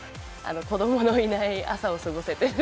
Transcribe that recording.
子供のいない朝を過ごせて。